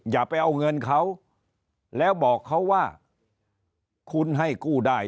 อย่าไปเอาเงินเขาแล้วบอกเขาว่าคุณให้กู้ได้